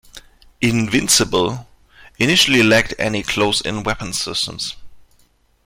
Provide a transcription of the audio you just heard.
"Invincible" initially lacked any close-in weapon systems.